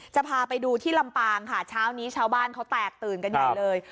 จะพาไปดูที่ลำปางค่ะเช้านี้ชาวบ้านเขาแตกตื่นกันใหญ่เลย